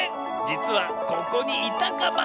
じつはここにいたカマ。